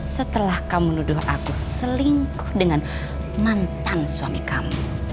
setelah kamu menuduh aku selingkuh dengan mantan suami kamu